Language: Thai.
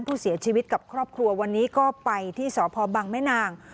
ผู้เสียชีวิตกับครอบครัววันนี้ก็ไปที่สพบังแม่นาง